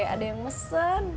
ada yang mesen